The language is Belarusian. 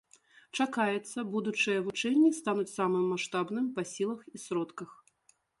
Чакаецца, будучыя вучэнні стануць самым маштабным па сілах і сродках.